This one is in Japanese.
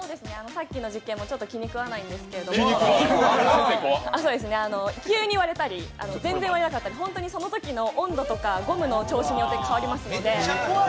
さっきの実験もちょっと気に食わないんですけど、急に割れたり、全然割れなかったり本当にそのときの温度とかゴムの調子によって変わりますので。